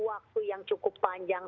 waktu yang cukup panjang